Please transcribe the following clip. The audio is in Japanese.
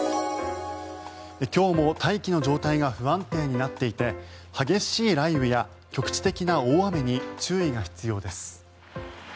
今日も大気の状態が不安定になっていて激しい雷雨や局地的な大雨に注意が必要です。